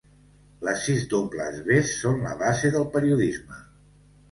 Les sis dobles ves són la base del periodisme.